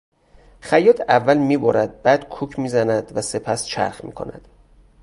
خیاط اول میبرد بعد کوک میزند وسپس چرخ میکند.